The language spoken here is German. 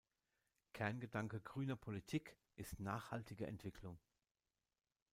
Kerngedanke grüner Politik ist nachhaltige Entwicklung.